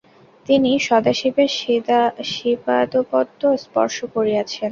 তিনি সদাশিবের শ্রীপাদপদ্ম স্পর্শ করিয়াছেন।